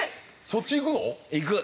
そっちいくの？